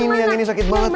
ini nih yang sakit banget